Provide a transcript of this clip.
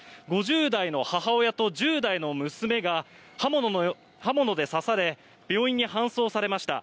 ５０代の母親と１０代の娘が刃物で刺され病院に搬送されました。